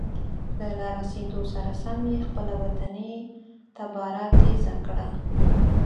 له را رسیدو سره سم یې خپله وطني تباره تیزه کړه.